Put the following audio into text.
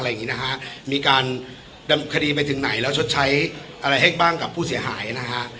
อย่างงี้นะฮะมีการดำเนินคดีไปถึงไหนแล้วชดใช้อะไรให้บ้างกับผู้เสียหายนะฮะ